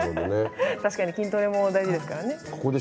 確かに筋トレも大事ですからね。